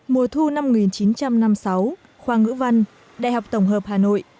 mùa thu năm một nghìn chín trăm năm mươi sáu khoa ngữ văn đại học tổng hợp hà nội